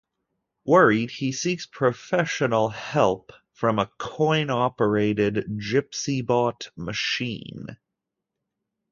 Worried, he seeks "professional help" from a coin-operated Gypsy Bot machine.